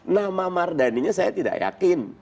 nama mardaninya saya tidak yakin